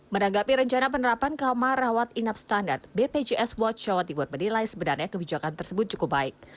menanggapi rencana penerapan kamar rawat inap standar bpjs watch jawa timur menilai sebenarnya kebijakan tersebut cukup baik